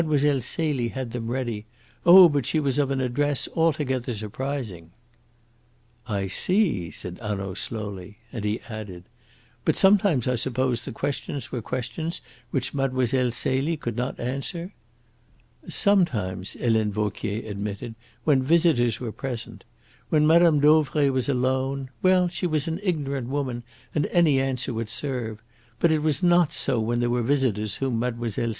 Mlle. Celie had them ready. Oh, but she was of an address altogether surprising. "I see," said Hanaud slowly; and he added, "But sometimes, I suppose, the questions were questions which Mlle. Celie could not answer?" "Sometimes," Helene Vauquier admitted, "when visitors were present. When Mme. Dauvray was alone well, she was an ignorant woman, and any answer would serve. But it was not so when there were visitors whom Mlle.